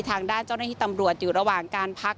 ทางด้านเจ้าหน้าที่ตำรวจอยู่ระหว่างการพัก